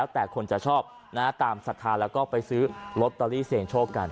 แต่คนจะชอบตามสถานแล้วก็ไปซื้อร็อตเตอรี่เสนจโชคกัน